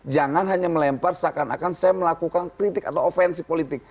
jangan hanya melempar seakan akan saya melakukan kritik atau ofensi politik